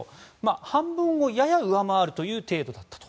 半分をやや上回るという程度だったと。